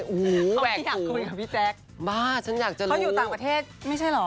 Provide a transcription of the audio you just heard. แหวกหูบ้าฉันอยากจะรู้เขาอยู่ต่างประเทศไม่ใช่เหรอ